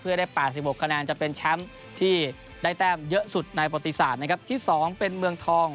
เพื่อได้๘๖คะแนนจะเป็นแชมป์ที่ได้แต้มเยอะสุดในประติศาสตร์นะครับที่๒เป็นเมืองทอง